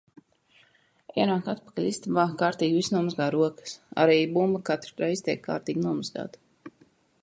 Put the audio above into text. Ienāk atpakaļ istabā, kārtīgi visi nomazgā rokas. Arī bumba katru reizi tiek kārtīgi nomazgāta.